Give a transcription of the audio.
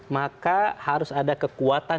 maka harus ada kekuatan